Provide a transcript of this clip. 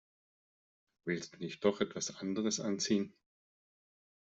Willst du nicht doch etwas anderes anziehen?